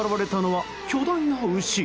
市場に現れたのは巨大な牛。